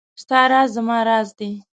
ستا راز زما راز دی .